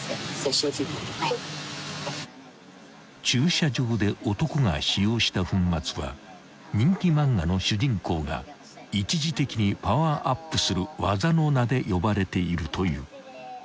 ［駐車場で男が使用した粉末は人気漫画の主人公が一時的にパワーアップする技の名で呼ばれているという］